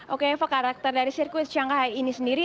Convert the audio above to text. oke eva karakter dari sirkuit shanghai ini sendiri